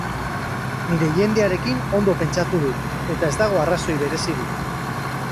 Nire jendearekin ondo pentsatu dut eta ez dago arrazoi berezirik.